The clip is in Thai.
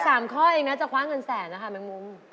สามข้อเองนะจะคว้าเงินแสนนะคะแมงมุม